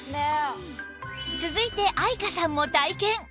続いて愛華さんも体験！